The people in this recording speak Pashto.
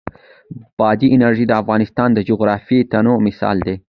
بادي انرژي د افغانستان د جغرافیوي تنوع مثال دی.